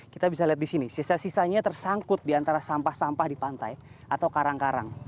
kita bisa lihat di sini sisa sisanya tersangkut di antara sampah sampah di pantai atau karang karang